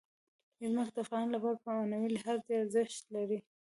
ځمکه د افغانانو لپاره په معنوي لحاظ ډېر زیات ارزښت لري.